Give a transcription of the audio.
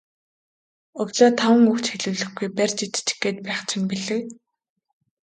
Өглөө таван үг ч хэлүүлэхгүй барьж идчих гээд байх чинь билээ.